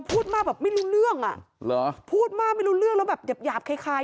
พูดมากแบบไม่รู้เรื่องอ่ะเหรอพูดมากไม่รู้เรื่องแล้วแบบหยาบหยาบคล้าย